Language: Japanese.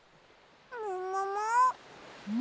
ももも？